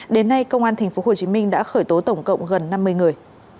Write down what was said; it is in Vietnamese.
đến nay công an tp hcm đã khởi tố tổng cộng gần năm mươi người